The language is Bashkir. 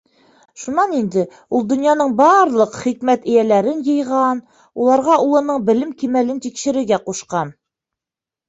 Шунан инде ул донъяның барлыҡ хикмәт эйәләрен йыйған, уларға улының белем кимәлен тикшерергә ҡушҡан.